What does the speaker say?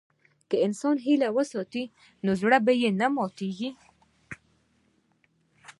که انسان هیله وساتي، نو زړه به نه ماتيږي.